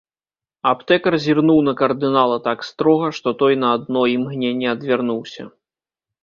Аптэкар зірнуў на кардынала так строга, што той на адно імгненне адвярнуўся.